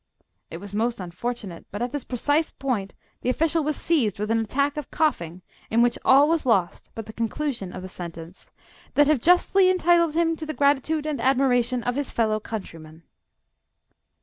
It was most unfortunate but at this precise point the official was seized with an attack of coughing, in which all was lost but the conclusion of the sentence, "... that have justly entitled him to the gratitude and admiration of his fellow countrymen."